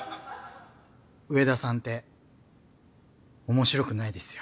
上田さんっておもしろくないですよ。